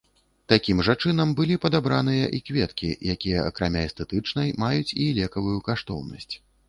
Такім жа чынам былі падабраныя і кветкі, якія акрамя эстэтычнай, маюць і лекавую каштоўнасць.